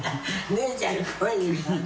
姉ちゃんの声に。